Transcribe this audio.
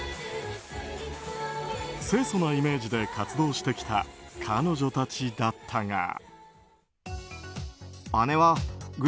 清楚なイメージで活動してきた彼女たちだったが。